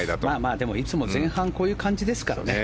でもいつも前半こういう感じですからね。